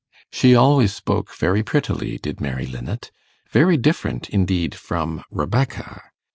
She always spoke very prettily, did Mary Linnet; very different, indeed, from Rebecca.